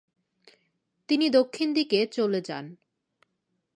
তিনি দক্ষিণ দিকে চলে যান।